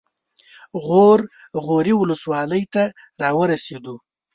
غور غوري ولسوالۍ ته راورسېدو.